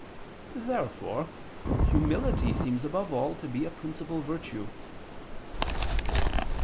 Therefore humility seems above all to be a principal virtue.